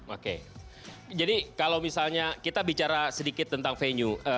oke jadi kalau misalnya kita bicara sedikit tentang venue